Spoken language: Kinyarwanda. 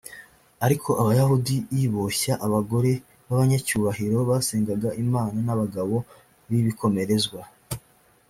ariko abayahudi l boshya abagore b abanyacyubahiro basengaga imana n abagabo b ibikomerezwa